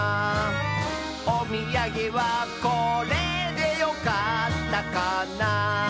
「おみやげはこれでよかったかな」